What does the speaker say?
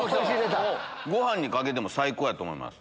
ご飯にかけても最高やと思います。